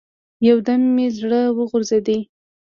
يو دم مې زړه وغورځېد.